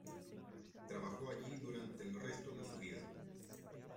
Trabajó allí durante el resto de su vida.